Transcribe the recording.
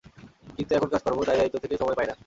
কিন্তু এখন কাজকর্ম, দায় দায়িত্ব থেকে সময় পাই না।